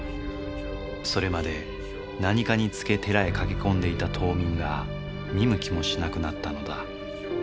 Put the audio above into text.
それまで何かにつけ寺へ駆け込んでいた島民が見向きもしなくなったのだ。